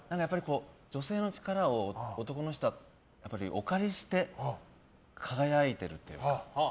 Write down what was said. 女性の力を男の人はお借りして輝いているというか。